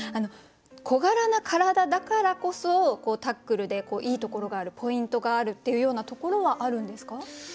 小柄な体だからこそタックルでいいところがあるポイントがあるっていうようなところはあるんですか？